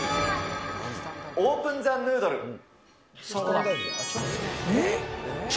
オープン・ザ・ヌードル。